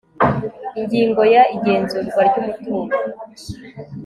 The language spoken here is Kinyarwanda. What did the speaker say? ingingo ya igenzurwa ry umutungo